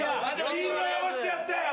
みんな汚してやったよ！